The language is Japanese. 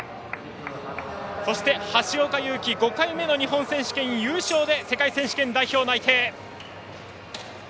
そして、橋岡優輝５回目の日本選手権優勝で世界選手権代表内定。